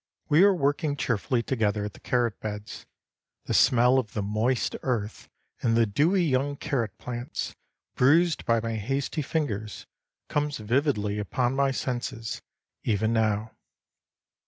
We were working cheerfully together at the carrot beds. The smell of the moist earth and of the dewy young carrot plants, bruised by my hasty fingers, comes vividly upon my senses even now.